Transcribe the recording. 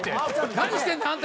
「何してるの？あんた」